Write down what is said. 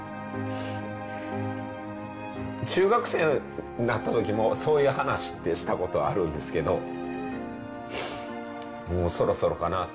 中学生になったときも、そういう話ってしたことあるんですけど、もう、そろそろかなって。